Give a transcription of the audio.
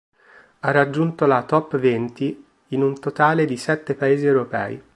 Ha raggiunto la "Top Venti" in un totale di sette paesi europei.